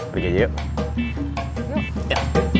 pergi aja yuk